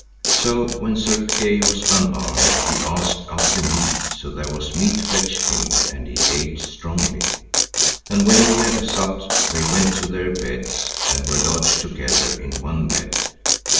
So when Sir Kay was unarmed, he asked after meat; so there was meat fetched him, and he ate strongly. And when he had supped they went to their beds and were lodged together in one bed.